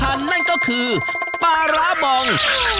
เดี๋ยวเราคอยกินไก่กอดนิด